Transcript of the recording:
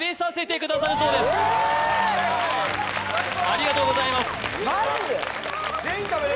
ありがとうございますマジで？